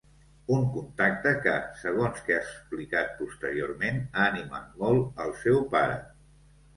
Un contacte que, segons que ha explicat posteriorment, ha animat molt el seu pare.